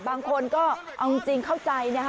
บางคนก็เอาจริงเข้าใจนะคะ